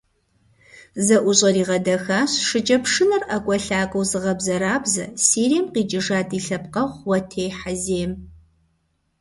ЗэӀущӀэр игъэдэхащ шыкӀэпшынэр ӀэкӀуэлъакӀуэу зыгъэбзэрабзэ, Сирием къикӏыжа ди лъэпкъэгъу - Уэтей Хьэзем.